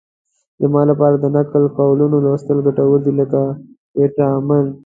زما لپاره د نقل قولونو لوستل ګټور دي لکه ویټامین.